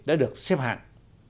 đã được xếp hạng